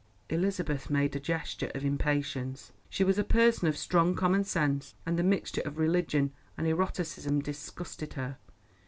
Elizabeth made a gesture of impatience. She was a person of strong common sense, and this mixture of religion and eroticism disgusted her.